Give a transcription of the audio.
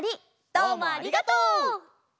どうもありがとう！